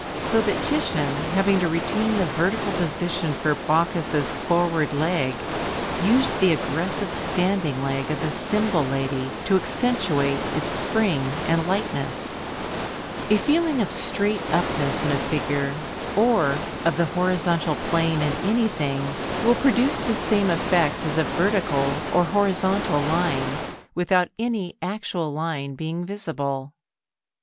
So that Titian, having to retain the vertical position for Bacchus' forward leg, used the aggressive standing leg of the cymbal lady to accentuate its spring and lightness. [Illustration: Plate XXXIV. BACCHUS AND ARIADNE. TITIAN Photo Hanfstaengl] A feeling of straight up ness in a figure or of the horizontal plane in anything will produce the same effect as a vertical or horizontal line without any actual line being visible.